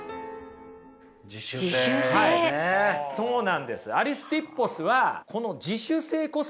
そうなんです。